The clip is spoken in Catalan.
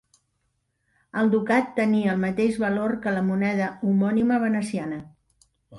El ducat tenia el mateix valor que la moneda homònima veneciana.